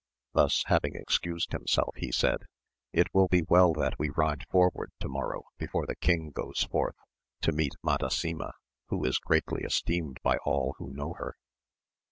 Thus having excused himself he said, It will be well that we ride forward to morrow before the king goes forth, to meet Mada sima, who is greatly esteemed by all who know her.